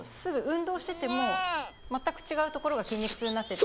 運動してても全く違うところが筋肉痛になってて。